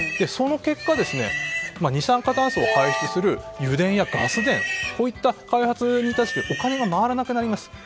その結果、二酸化炭素を排出する油田やガス田こういった開発に対してお金が回らなくなります。